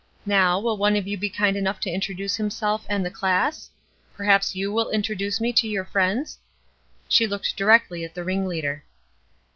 Now, will one of you be kind enough to introduce himself and the class? Perhaps you will introduce me to your friends?" She looked directly at the ringleader.